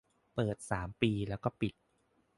เปิดสามปีแล้วก็ปิด